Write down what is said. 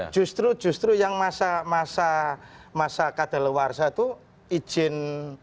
justru justru yang masa masa kata lewar satu izin